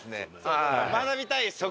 学びたいですよね。